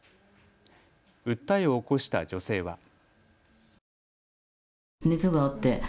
訴えを起こした女性は。